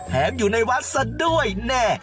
อยู่ในวัดซะด้วยแน่